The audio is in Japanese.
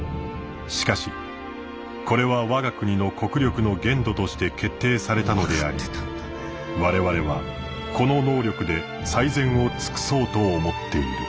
しかしこれは我が国の国力の限度として決定されたのであり我々はこの能力で最善を尽そうと思っている」。